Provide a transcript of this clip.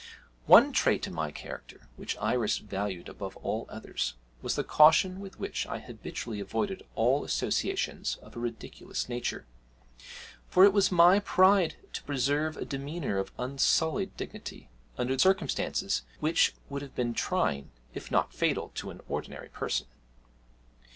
One trait in my character which Iris valued above all others was the caution with which I habitually avoided all associations of a ridiculous nature; for it was my pride to preserve a demeanour of unsullied dignity under circumstances which would have been trying, if not fatal, to an ordinary person.